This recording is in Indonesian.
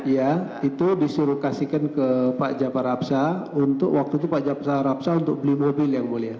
ya itu disuruh kasihkan ke pak jafar rapsa untuk waktu itu pak jafar rapsa untuk beli mobil yang mulia